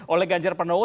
oleh ganjar pernowo